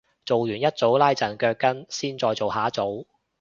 做完一組拉陣腳筋先再做下一組